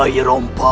kau berdua yang pijak